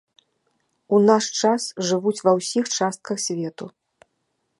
У наш час жывуць ва ўсіх частках свету.